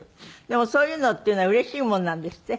でもそういうのっていうのはうれしいもんなんですって？